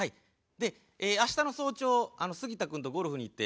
であしたの早朝すぎた君とゴルフに行って。